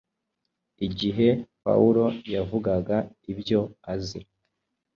Igihe Pawulo yavugaga ibyo azi